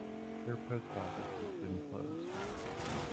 Their Post Office has been closed.